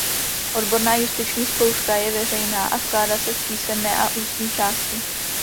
Odborná justiční zkouška je veřejná a skládá se z písemné a ústní části.